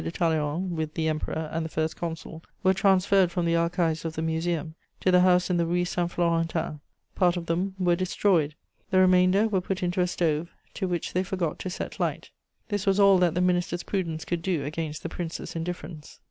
de Talleyrand with the "Emperor" and the "First Consul," were transferred from the archives of the Museum to the house in the Rue Saint Florentin; part of them were destroyed; the remainder were put into a stove, to which they forgot to set light; this was all that the Minister's prudence could do against the Prince's indifference.